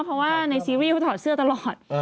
เพราะว่าในซีรีส์เขาถอดเสื้อตลอด